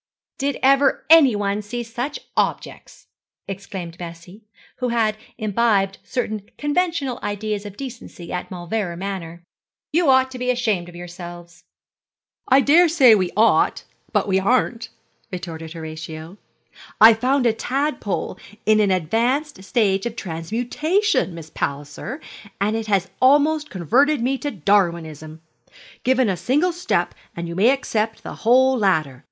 'Did ever anyone see such objects?' exclaimed Bessie, who had imbibed certain conventional ideas of decency at Mauleverer Manor: 'you ought to be ashamed of yourselves.' 'I daresay we ought, but we aren't,' retorted Horatio. 'I found a tadpole in an advanced stage of transmutation, Miss Palliser, and it has almost converted me to Darwinism. Given a single step and you may accept the whole ladder.